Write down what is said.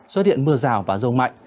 xuất hiện mưa rào và rông mạnh